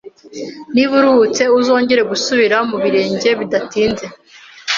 Niba uruhutse, uzongera gusubira mu birenge bidatinze